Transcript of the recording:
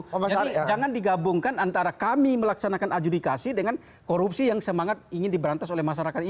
jadi jangan digabungkan antara kami melaksanakan adjudikasi dengan korupsi yang semangat ingin diberantas oleh masyarakat ini